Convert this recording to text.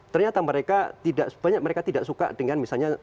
ternyata mereka tidak suka dengan misalnya